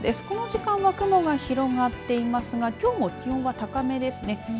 この時間は雲が広がっていますがきょうも気温は高めですね。